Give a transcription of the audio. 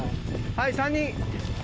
はい３人。